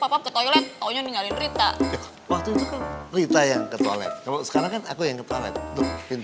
waktu itu kan rita yang ke toilet sekarang kan aku yang ke toilet